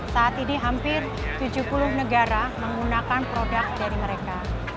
saat ini hampir tujuh puluh negara menggunakan produk dari mereka